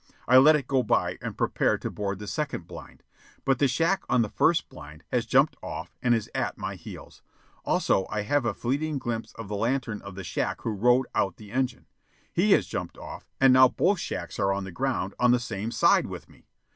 I let it go by, and prepare to board the second blind. But the shack on the first blind has jumped off and is at my heels. Also, I have a fleeting glimpse of the lantern of the shack who rode out the engine. He has jumped off, and now both shacks are on the ground on the same side with me.